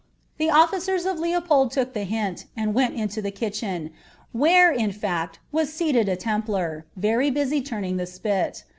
The officer of LeopolJ took the hint, and wm into the kitchen, where, in fact, was ceated a leniphu, very busy iuruui| the spit.